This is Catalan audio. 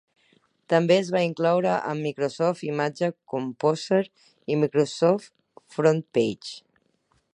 També es va incloure amb Microsoft Image Composer i Microsoft FrontPage.